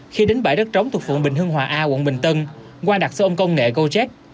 khi đến bãi đất trống thuộc phượng bình hương hòa a quận bình tân quang đặt xe ôn công nghệ gojek